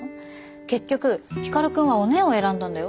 結局光くんはおねぇを選んだんだよ。